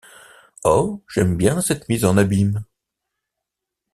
Or j’aime bien cette mise en abyme.